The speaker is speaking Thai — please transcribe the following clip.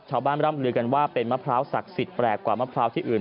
ร่ำลือกันว่าเป็นมะพร้าวศักดิ์สิทธิแปลกกว่ามะพร้าวที่อื่น